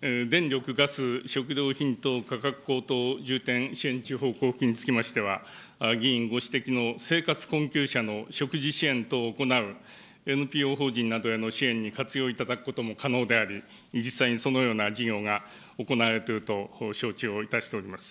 電力、ガス、食料品等価格高騰支援重点交付金につきましては、委員ご指摘の生活困窮者の食事支援等を行うＮＰＯ法人などへの支援に活用いただくことも可能であり、実際にそのような事業が行われていると承知をいたしております。